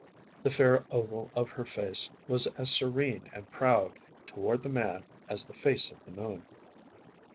The fair oval of her face was as serene and proud toward the man as the face of the moon.